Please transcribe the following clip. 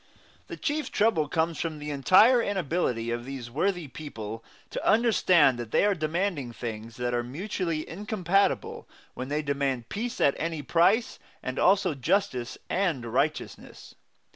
The chief trouble comes from the entire inability of these worthy people to understand that they are demanding things that are mutually incompatible when they demand peace at any price, and also justice and righteousness.